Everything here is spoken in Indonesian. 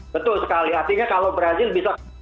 betul sekali artinya kalau brazil bisa